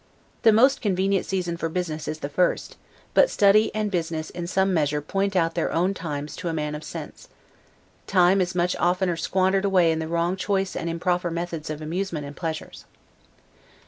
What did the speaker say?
The most convenient season for business is the first; but study and business in some measure point out their own times to a man of sense; time is much oftener squandered away in the wrong choice and improper methods of amusement and pleasures.